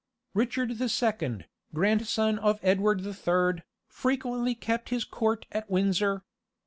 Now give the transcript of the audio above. Richard the Second, grandson of Edward the Third, frequently kept his court at Windsor.